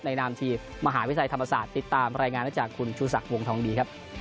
ในนามที่มหาวิทยาลัยธรรมศาสตร์ติดตามรายงานจากคุณชูศักดิ์วงฐดี